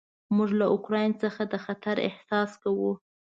موږ له اوکراین څخه د خطر احساس کوو.